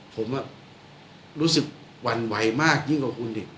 ผมรู้สึกอ่อนไหวมากยิ่งกว่าคุณเอง